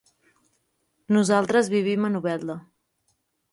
Nosaltres vivim a Novelda.